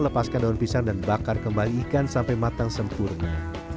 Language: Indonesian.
lepaskan daun pisang dan bakar kembali ikan sampai matang sempurna